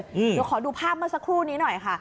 เดี๋ยวขอดูภาพเมื่อสักครู่นี้หน่อยค่ะ